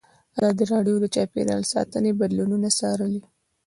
ازادي راډیو د چاپیریال ساتنه بدلونونه څارلي.